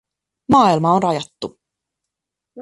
Maailma on rajattu.